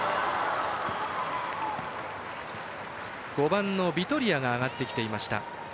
５番のビトリアが上がってきていました。